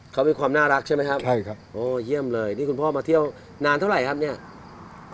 เขามีความน่ารักใช่ไหมครับใช่ครับโอ้เยี่ยมเลยนี่คุณพ่อมาเที่ยวนานเท่าไหร่ครับเนี่ย